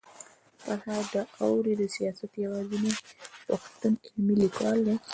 فرهاد داوري د سياست يوازنی پښتون علمي ليکوال دی